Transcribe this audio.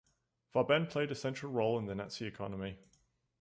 Farben played a central role in the Nazi economy.